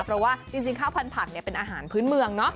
เพราะว่าจริงข้าวพันธักเป็นอาหารพื้นเมืองเนาะ